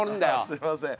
すみません。